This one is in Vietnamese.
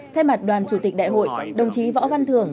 thay mặt đoàn chủ tịch đại hội đồng chí võ văn thưởng